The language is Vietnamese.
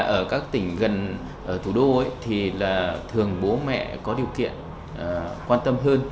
ở thủ đô thì thường bố mẹ có điều kiện quan tâm hơn